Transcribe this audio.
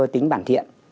tính bản thiện